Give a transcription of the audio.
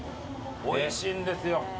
おいしいんですよ。